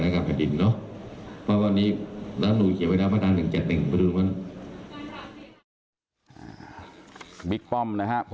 ขอบคุณครับ